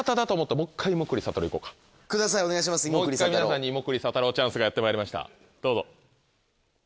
もう１回皆さんにいもくり佐太郎チャンスがやってまいりましたどうぞ。